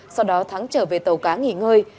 sau đó thắng trở về tàu cá nghỉ ngơi